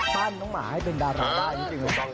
ปั้นน้องหมาให้เป็นดาลาได้จริงหรือ